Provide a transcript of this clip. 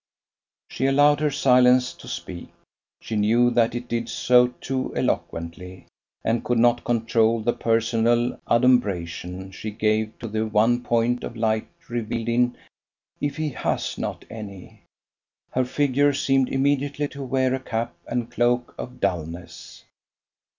She allowed her silence to speak; she knew that it did so too eloquently, and could not control the personal adumbration she gave to the one point of light revealed in, "if he has not any". Her figure seemed immediately to wear a cap and cloak of dulness.